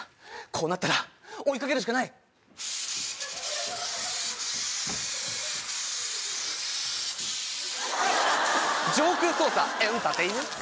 こうなったら追いかけるしかない上空操作エンターテイメンッ！